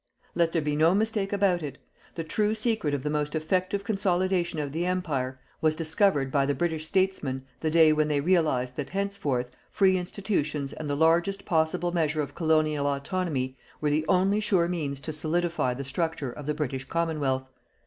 Let there be no mistake about it: the true secret of the most effective consolidation of the Empire was discovered by the British statesmen the day when they realized that henceforth free institutions and the largest possible measure of colonial autonomy were the only sure means to solidify the structure of the British Commonwealth.